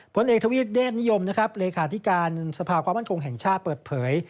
ผลเอกทวิทย์เดชนิยมเลขาธิการสภาความอ้านคงแห่งชาติเปิดเผย